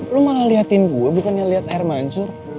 lo malah liatin gue bukan yang liat air mancur